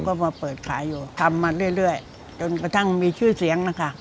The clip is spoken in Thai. ก็มาเปิดขายอยู่ทำมาเรื่อยจนกระทั่งมีชื่อเสียงนะคะ